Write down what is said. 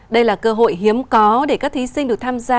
đây là cơ hội hiếm có để các thí sinh được tham gia